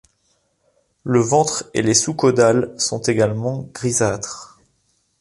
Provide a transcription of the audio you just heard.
Le ventre et les sous-caudales sont également grisâtres.